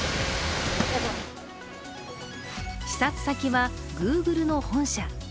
視察先はグーグルの本社。